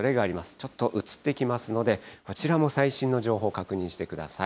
ちょっと移ってきますので、こちらも最新の情報、確認してください。